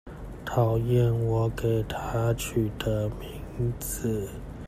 討厭我給她取的名字